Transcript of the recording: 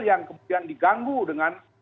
yang kemudian diganggu dengan